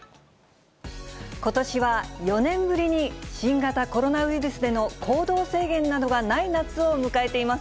ことしは４年ぶりに新型コロナウイルスでの行動制限などがない夏を迎えています。